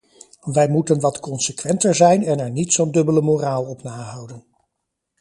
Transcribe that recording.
Wij moeten wat consequenter zijn en er niet zo'n dubbele moraal op nahouden.